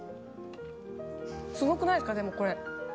凄くないですかでもこれ。